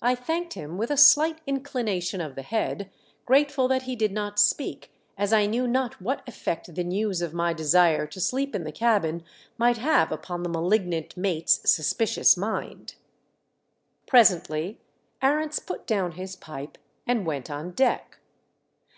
I thanked him with a slight inclination of the head, grateful that he did not speak, as I knew not what effect the news of my desire to sleep in the cabin might have upon the malignant myites suspicious mind. 484 THE DEATH SHIP. Presently Arents put down his pipe and went on deck.